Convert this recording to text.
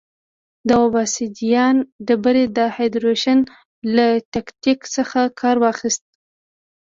د اوبسیدیان ډبرې د هایدرېشن له تکتیک څخه کار واخیست.